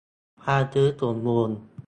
ความชื้นสัมบูรณ์